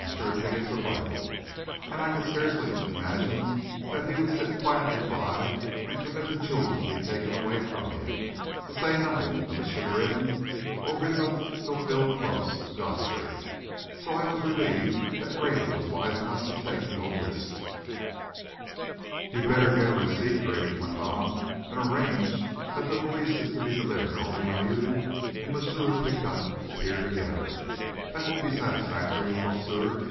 Pigot's arrival; and I could scarcely imagine that he would sit quietly by and permit the jewels to be taken away from him to say nothing of his chagrin over his unfulfilled boast to Godfrey. So I was relieved that Grady was wise enough to take no risk. "You'd better get a receipt," Grady went on, "and arrange that the valise is to be delivered only when you and Moosseer Piggott appear together. That will be satisfactory, moosseer?"